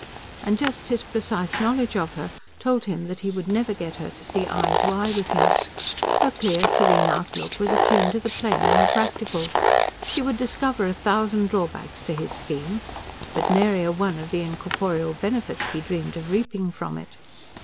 And just his precise knowledge of her told him that he would never get her to see eye to eye with him. Her clear, serene outlook was attuned to the plain and the practical; she would discover a thousand drawbacks to his scheme, but nary a one of the incorporeal benefits he dreamed of reaping from it.